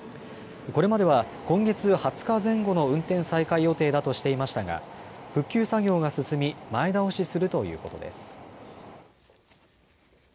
これまでは今月２０日前後の運転再開予定だとしていましたが復旧作業が進み前倒しするということです。